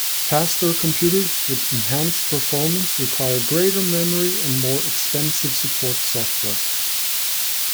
Faster computers with enhanced performance require greater memory and more expensive support software.